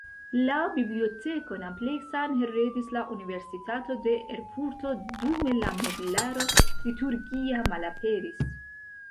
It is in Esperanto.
La bibliotekon ampleksan heredis la Universitato de Erfurto, dume la meblaro liturgia malaperis.